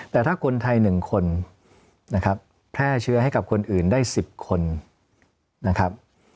แต่ถ้าคนไทย๑คนนะครับแพร่เชื้อให้กับคนอื่นได้๑๐คนนะครับ